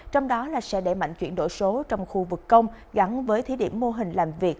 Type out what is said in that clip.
trong đó sẽ đẩy mạnh chuyển đổi số trong khu vực công gắn với thí điểm mô hình làm việc